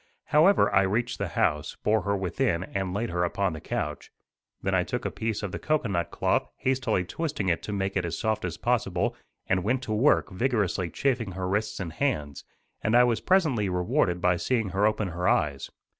However, I reached the house, bore her within and laid her upon the couch. Then I took a piece of the cocoanut cloth, hastily twisting it to make it as soft as possible, and went to work vigorously chafing her wrists and hands, and I was presently rewarded by seeing her open her eyes.